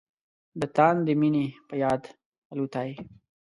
د تاندې مينې په یاد الوتای